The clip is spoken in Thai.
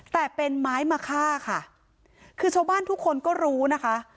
แต่เป็นไม้มะค่าค่ะคือชาวบ้านทุกคนก็รู้นะคะ